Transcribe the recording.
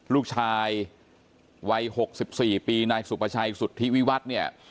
ลูกชายวัย๖๔ปีนายสุประชัยสุธิวิวัฒน์เนี่ย